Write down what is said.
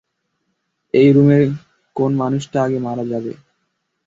এই রুমের কোন মানুষটা আগে মারা যাবে?